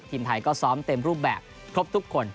ทีมไทยก็ซ้อมเต็มรูปแบบครบทุกคน